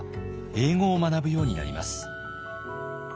英語を学ぶようになります。